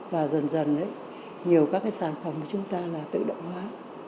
và dần dần nhiều các cái sản phẩm mà chúng ta là tự động hóa